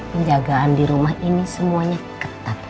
penjagaan di rumah ini semuanya ketat